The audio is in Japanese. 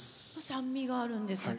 酸味があるんですね。